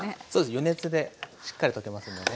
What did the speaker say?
予熱でしっかり溶けますのでね。